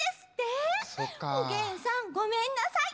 おげんさんごめんなさい。